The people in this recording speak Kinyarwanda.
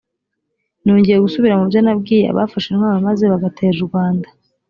nongeye gusubira mu byo nabwiye abafashe intwaro maze bagatera u rwanda